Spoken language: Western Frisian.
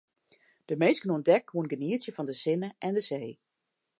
De minsken oan dek koene genietsje fan de sinne en de see.